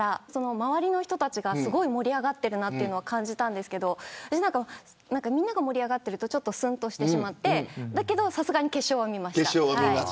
周りの人たちがすごい盛り上がっているのは感じたんですけどみんなが盛り上がっているとすんとしてしまってだけどさすがに決勝は見ました。